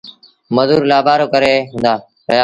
مزور لآبآرو ڪري رهيآ هُݩدآ۔